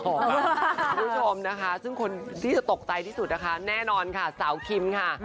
คุณผู้ชมนะคะซึ่งคนที่จะตกใจที่สุดนะคะแน่นอนค่ะสาวคิมค่ะ